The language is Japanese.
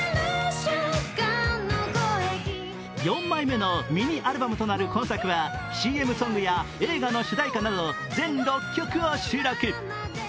４枚目のミニアルバムとなる今作はＣＭソングや映画の主題歌など全６曲を収録。